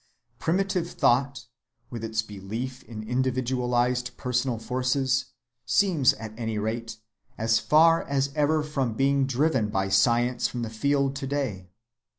Primitive thought, with its belief in individualized personal forces, seems at any rate as far as ever from being driven by science from the field to‐day.